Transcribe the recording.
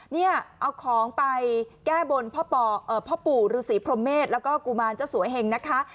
เนี่ยเอาของไปแก้บนพ่อปู่ฤษีพรมเมษแล้วก็กุมารเจ้าสัวเหงนะคะ